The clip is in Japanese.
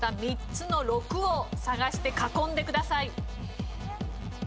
３つの「ろく」を探して囲んでください。